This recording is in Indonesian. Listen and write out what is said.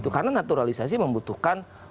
karena naturalisasi membutuhkan